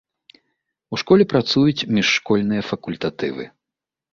У школе працуюць міжшкольныя факультатывы.